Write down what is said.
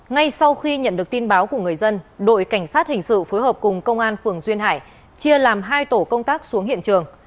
ngay sau khi nhận được tin báo của người dân đội cảnh sát hình sự phối hợp cùng công an phường duyên hải chia làm hai tổ công tác xuống hiện trường